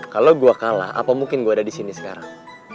kalo gua kalah apa mungkin gua ada disini sekarang